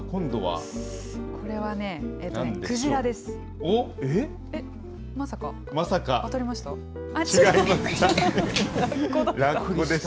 これはね、クジラです。